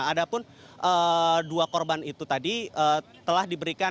ada pun dua korban itu tadi telah diberikan